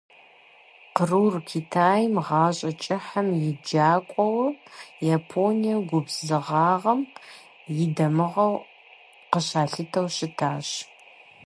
Кърур Китайм гъащӀэ кӀыхьым и «джакӀуэу», Японием губзыгъагъэм и дамыгъэу къыщалъытэу щытащ.